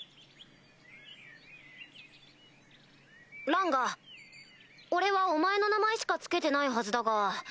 ランガ俺はお前の名前しか付けてないはずだが。